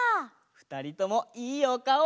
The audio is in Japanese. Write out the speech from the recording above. ふたりともいいおかお！